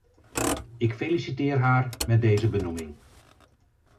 Ik feliciteer haar met deze benoeming.